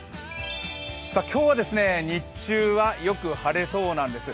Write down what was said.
今日は日中はよく晴れそうなんです。